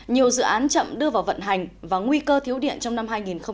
nhiều dự án chậm đưa vào vận hành và nguy cơ thiếu điện trong năm hai nghìn hai mươi